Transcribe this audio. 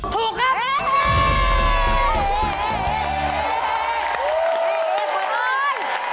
เฮ่ยขอโทษ